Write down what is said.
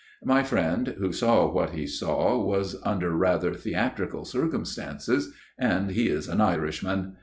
My friend who saw what he saw was under rather theatrical circumstances, and he is an Irishman.